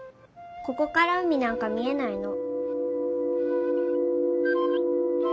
ここから海なんか見えないの。